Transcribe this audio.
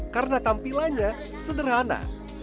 karena tampilannya sederhana